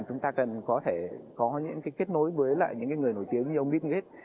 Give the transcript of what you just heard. chúng ta cần có thể có những cái kết nối với lại những cái người nổi tiếng như ông bill gates